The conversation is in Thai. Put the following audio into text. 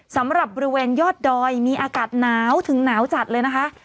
สำหรับบริเวณยอดดอยมีอากาศหนาวถึงหนาวจัดเลยนะคะ